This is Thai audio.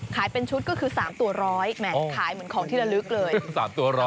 ขายเป็นชุดก็คือสามตัวร้อยแหมขายเหมือนของที่ละลึกเลยสามตัวร้อย